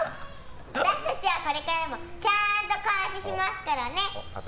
私たちは、これからもちゃーんと監視しますからね！